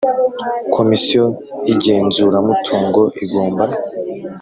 Komisiyo y igenzuramutungo igomba